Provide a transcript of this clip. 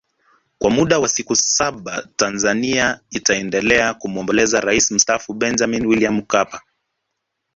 Kwa muda wa siku saba Tanzania itaendelea kumwombolezea Rais Mstaafu Benjamin William Mkapa